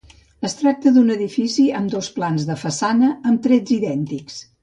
Es tracta d'un edifici amb dos plans de façana amb trets idèntics.